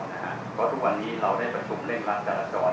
เพราะทุกวันนี้เราได้ประชุมเร่งรัดจราจร